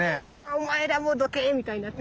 お前らもうどけみたいになってる。